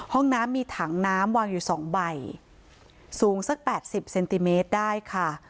ห้องน้ำมีถังน้ำวางอยู่สองใบสูงสักแปดสิบเซนติเมตรได้ค่ะ